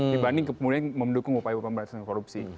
dibanding kemudian mendukung upaya pemberantasan korupsi